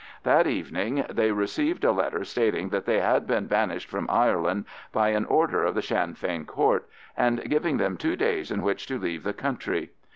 That evening they received a letter stating that they had been banished from Ireland by an order of the Sinn Fein Court, and giving them two days in which to leave the country.